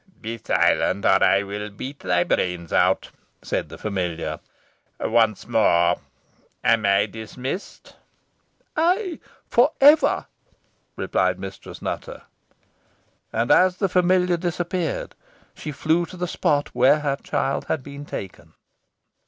"Be silent, or I will beat thy brains out!" said the familiar. "Once more, am I dismissed?" "Ay, for ever!" replied Mistress Nutter. And as the familiar disappeared, she flew to the spot where her child had been taken.